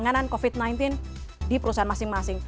penanganan covid sembilan belas di perusahaan masing masing